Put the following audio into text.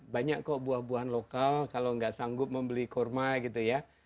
banyak kok buah buahan lokal kalau nggak sanggup membeli kurma gitu ya